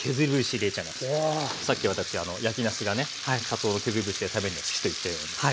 さっき私焼きなすがねかつおの削り節で食べるの好きと言ったように。